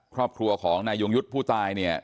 ครอบครัวของนายยุงยุทธ์ผู้ตาย